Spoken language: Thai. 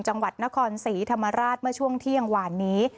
จังหวัดนครศรีธรรมราชเมื่อช่วงเที่ยงหวานนี้